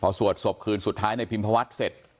สวดศพคืนสุดท้ายในพิมพวัฒน์เสร็จ